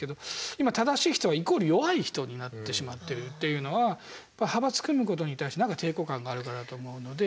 今正しい人がイコール弱い人になってしまってるというのは派閥組むことに対して何か抵抗感があるかなと思うので。